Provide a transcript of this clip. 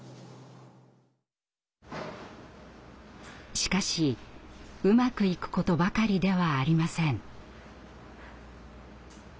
しかしうまくいくことばかりではありません。